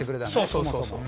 そもそも。